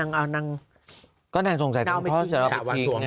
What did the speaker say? อ๋อนางก็แน่นสงสัยของพ่อเสริมพิธี